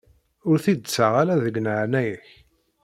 Ur t-id-ttaɣ ara deg leɛnaya-k.